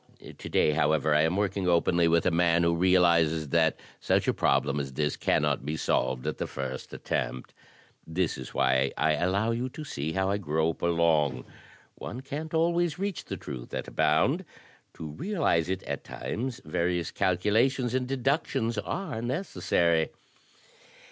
To day, however, I am working openly with a man who realizes that such a problem as this cannot be solved at the first attempt. This is why I allow you to see how I grope along. One can't always reach the truth at a bound; to realize it at times various calcula tions and deductions are necessary.